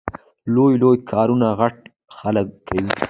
لوی لوی کارونه غټ خلګ کوي